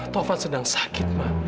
paufan sedang sakit ma